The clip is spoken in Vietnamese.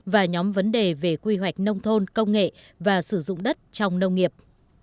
và nhóm vấn đề về quy hoạch nông thôn công nghệ và sử dụng đất trong nông nghiệp